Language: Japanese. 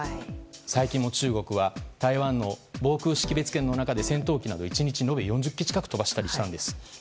最近の中国は台湾の防空識別圏の中で戦闘機などを１日延べ４０機近く飛ばしたりしたんです。